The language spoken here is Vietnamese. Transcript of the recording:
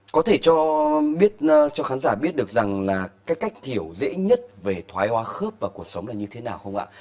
có thể cho khán giả biết được rằng là cái cách hiểu dễ nhất về thoái hóa khớp và cuộc sống là như thế nào không ạ